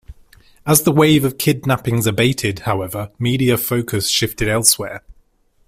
As the wave of kidnappings abated, however, media focus shifted elsewhere.